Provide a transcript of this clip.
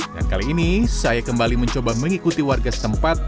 dan kali ini saya kembali mencoba mengikuti warga setempat